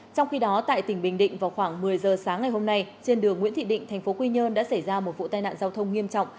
trong khi đó tại tỉnh bình định vào khoảng một mươi giờ sáng ngày hôm nay trên đường nguyễn thị định tp quy nhơn đã xảy ra một vụ tai nạn giao thông nghiêm trọng